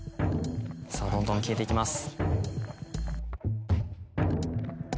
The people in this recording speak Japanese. さぁどんどん消えていきます。